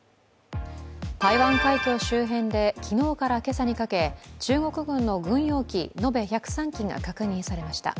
台湾海峡周辺で昨日から今朝にかけ中国軍の軍用機延べ１０３機が確認されました。